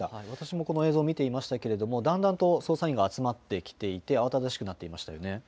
私もこの映像見ていましたけれども、だんだんと捜査員が集まってきていて、慌ただしくなっていましたよね。